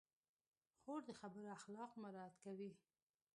خور د خبرو اخلاق مراعت کوي.